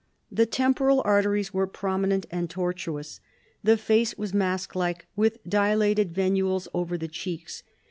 The temporal arteries were prominent and tortuous. The face was masklike, with dilated venules over the cheeks.